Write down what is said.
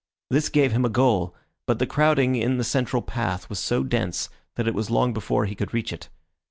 This gave him a goal, but the crowding in the central path was so dense that it was long before he could reach it.